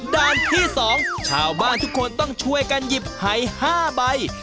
ด้านที่๒ชาวบ้านทุกคนต้องช่วยกันหยิบหาย๕ใบ